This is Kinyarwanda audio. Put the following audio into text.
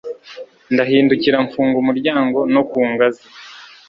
Ndahindukira mfunga umuryango no ku ngazi